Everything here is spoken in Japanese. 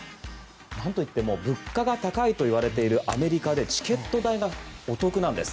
なんといっても物価が高いといわれているアメリカでチケット代がお得なんです。